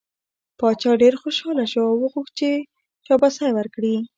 باچا ډېر خوشحاله شو او وغوښت یې چې شاباسی ورکړي.